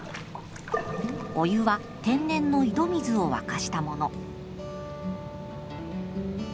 お湯は天然の井戸水を沸かしたもの。